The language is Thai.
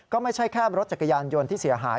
ก็ไม่ใช่แค่รถจักรยานยนต์ที่เสียหาย